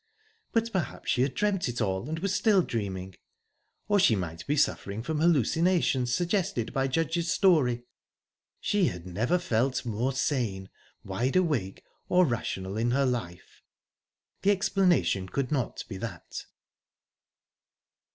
But perhaps she had dreamt it all, and was still dreaming? Or she might be suffering from hallucination, suggested by Judge's story?...She had never felt more sane, wide awake, or rational in her life. The explanation could not be that...